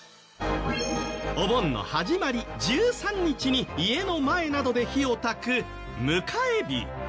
お盆の始まり１３日に家の前などで火を焚く迎え火。